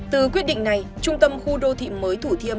từ quyết định này trung tâm khu đô thị mới thủ thiêm